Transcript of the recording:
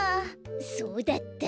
そうだったんだ。